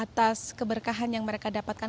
atas keberkahan yang mereka dapatkan